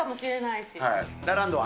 ラランドは？